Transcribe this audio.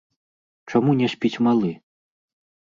Чаму не спіць малы?